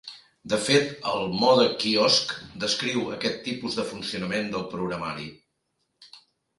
De fet, el "mode quiosc" descriu aquest tipus de funcionament del programari.